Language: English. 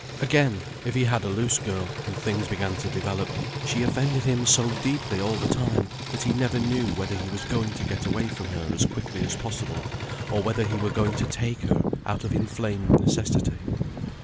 Again, if he had a loose girl, and things began to develop, she offended him so deeply all the time, that he never knew whether he was going to get away from her as quickly as possible, or whether he were going to take her out of inflamed necessity.